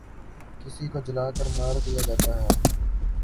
کسی کو جلا کر مار دیا جاتا ہے